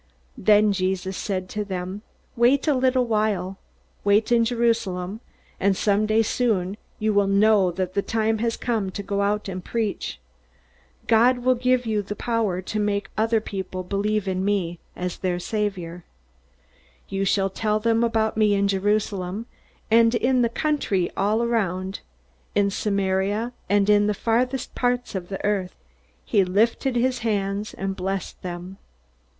Then Jesus said to them: "Wait a little while. Wait in Jerusalem, and someday soon you will know that the time has come to go out and preach. God will give you the power to make other people believe in me as their Saviour. You shall tell about me in Jerusalem, and in the country all around; in Samaria, and in the farthest parts of the earth." He lifted up his hands, and blessed them.